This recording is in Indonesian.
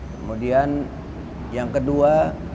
kemudian yang kedua